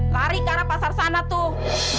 lari ke arah pasar sana tuh